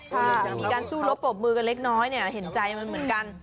จะมีการสู้รบปรบมือกันเล็กน้อยเนี่ยเห็นใจมันเหมือนกัน